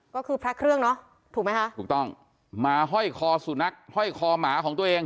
ก็คือพระเครื่องเนอะถูกไหมคะถูกต้องมาห้อยคอสุนัขห้อยคอหมาของตัวเอง